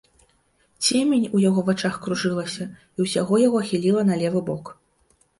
Цемень у яго вачах кружылася, і ўсяго яго хіліла на левы бок.